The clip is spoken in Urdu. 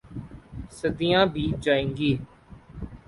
صدیاں بیت جائیں گی۔